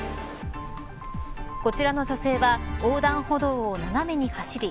こちらの女性は横断歩道を斜めに走り